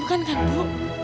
bukan kan bu